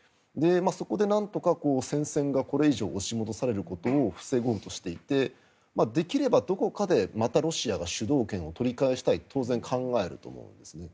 そこで、なんとか戦線がこれ以上押し戻されることを防ごうとしていてできれば、どこかでまたロシアが主導権を取り返したいと当然、考えると思うんですね。